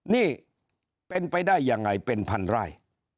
นี่เป็นไปได้ยังไงเป็นพันไร่